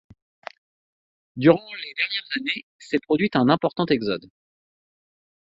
Durant les dernières années, s'est produit un important exode.